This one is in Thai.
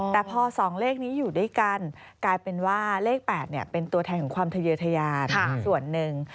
แต่พอ๒เลขนี้อยู่ด้วยกันกลายเป็นว่าเลข๘เป็นตัวแทนของความทะเยอทยานส่วนหนึ่ง